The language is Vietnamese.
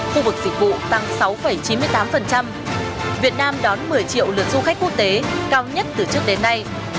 khu vực dịch vụ tăng sáu chín mươi tám việt nam đón một mươi triệu lượt du khách quốc tế cao nhất từ trước đến nay